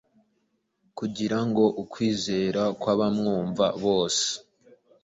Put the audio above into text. kugira ngo ukwizera kw’abamwumva bose